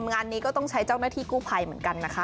งานนี้ก็ต้องใช้เจ้าหน้าที่กู้ภัยเหมือนกันนะคะ